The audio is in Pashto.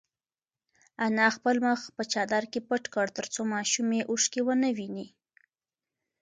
انا خپل مخ په چادر کې پټ کړ ترڅو ماشوم یې اوښکې ونه ویني.